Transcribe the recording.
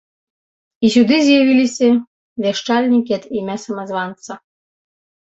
І сюды з'явіліся вяшчальнікі ад імя самазванца.